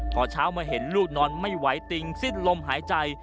พอเช้ามาเห็นลูกนอนไม่ไหวติงสิ้นลมหายใจ